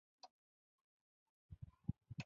لکه ټیټرایسایکلین او اریترومایسین.